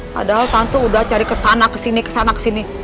padahal tante udah cari kesana kesini kesana kesini